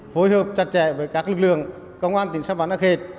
phối hợp chặt chẽ với các lực lượng công an tỉnh sao văn đã khệt